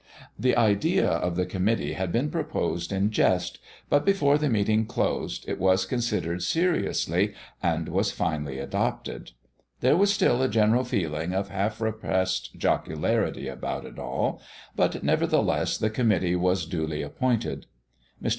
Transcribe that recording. The idea of the committee had been proposed in jest, but before the meeting closed it was considered seriously, and was finally adopted. There was still a general feeling of half repressed jocularity about it all, but, nevertheless, the committee was duly appointed. Mr.